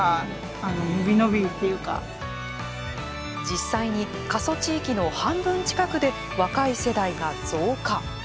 実際に、過疎地域の半分近くで若い世代が増加。